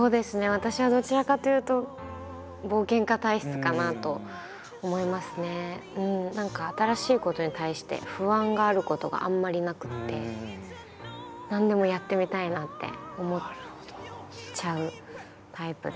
私はどちらかというと何か新しいことに対して不安があることがあんまりなくて。って思っちゃうタイプで。